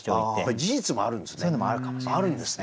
事実もあるんですね。